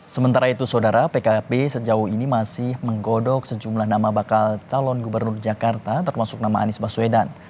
sementara itu saudara pkb sejauh ini masih menggodok sejumlah nama bakal calon gubernur jakarta termasuk nama anies baswedan